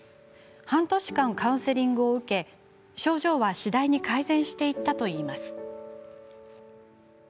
半年間、カウンセリングを受け症状は次第に改善していったといいます。